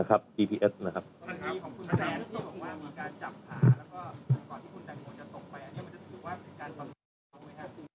นะครับบางคนก็บอกว่าไม่ได้เข้า